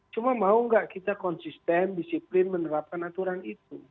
cuma mau nggak kita konsisten disiplin menerapkan aturan itu